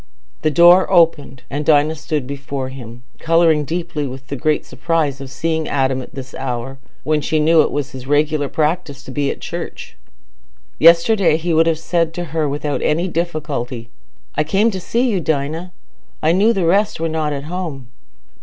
The door opened, and Dinah stood before him, colouring deeply with the great surprise of seeing Adam at this hour, when she knew it was his regular practice to be at church. Yesterday he would have said to her without any difficulty, "I came to see you, Dinah: I knew the rest were not at home."